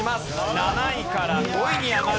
７位から５位に上がる。